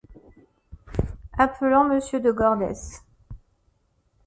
Appelant monsieur de Gordes.